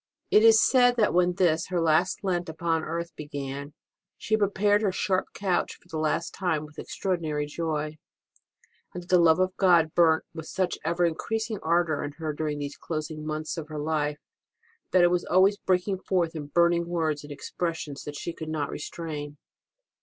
It is said that when this her last Lent upon earth began, she prepared her sharp couch for the last HOW ROSE OF ST. MARY DIED 17! time with extraordinary joy, and that the love of God burnt with such ever increasing ardour in her during these closing months of her life that it was always breaking forth in burning words and expressions that she could not restrain.